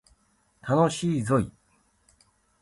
楽しいぞい